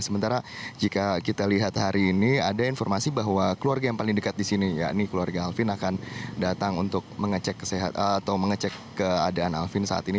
sementara jika kita lihat hari ini ada informasi bahwa keluarga yang paling dekat di sini yakni keluarga alvin akan datang untuk mengecek keadaan alvin saat ini